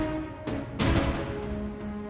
dan aku masih ingin selamat